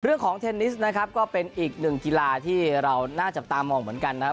เทนนิสนะครับก็เป็นอีกหนึ่งกีฬาที่เราน่าจับตามองเหมือนกันนะครับ